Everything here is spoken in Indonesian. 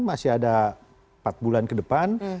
masih ada empat bulan ke depan